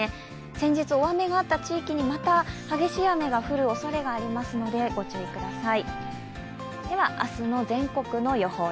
先日大雨があった地域にまた激しい雨が降るおそれがありますので、ご注意ください。